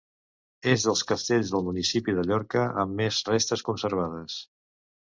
És dels castells del municipi de Llorca amb més restes conservades.